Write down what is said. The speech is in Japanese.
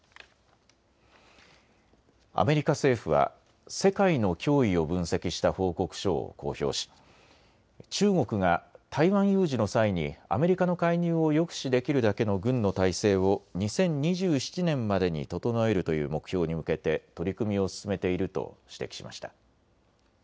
アメリカ政府は世界の脅威を分析した報告書を公表し中国が台湾有事の際にアメリカの介入を抑止できるだけの軍の態勢を２０２７年までに整えるという目標に向けて取り組みを進めていると指摘しました。